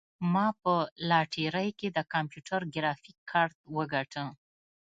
ما په لاټرۍ کې د کمپیوټر ګرافیک کارت وګاټه.